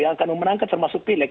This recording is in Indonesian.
akan memenangkan termasuk pilih